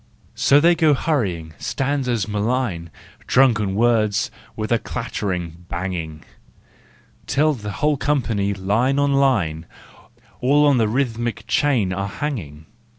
So they go hurrying, stanzas malign, Drunken words—what a clattering, banging!— Till the whole company, line on line, All on the rhythmic chain are hanging.